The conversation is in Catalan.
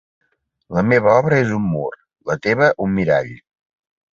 "la meva obra és un mur, la teva un mirall".